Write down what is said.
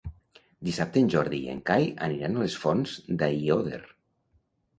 Dissabte en Jordi i en Cai aniran a les Fonts d'Aiòder.